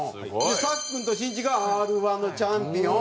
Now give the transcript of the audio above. でさっくんとしんいちがＲ−１のチャンピオン。